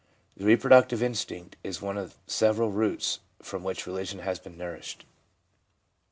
The reproductive instinct is one of several roots from which religion has been nourished.